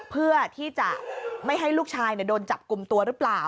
เพื่อที่จะไม่ให้ลูกชายโดนจับกลุ่มตัวหรือเปล่า